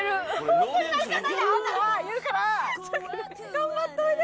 頑張っといで。